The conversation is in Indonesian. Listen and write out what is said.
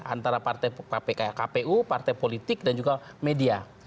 antara partai kpu partai politik dan juga media